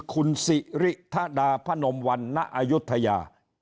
คุณสิริธดาพนมวันณอายุทยา